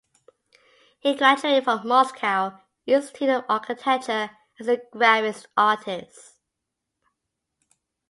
He graduated from Moscow Institute of Architecture as a graphics artist.